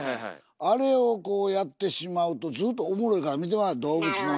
あれをやってしまうとずっとおもろいから見てまう動物の。